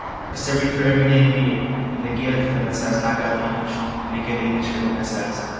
A sermon for every day in the year, in the Gaelic for them as has na got the English, an' in good English for them as has.